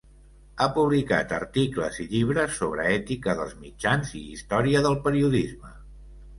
Ha publicat articles i llibres sobre ètica dels mitjans i història del periodisme.